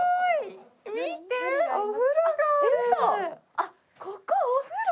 あっここお風呂。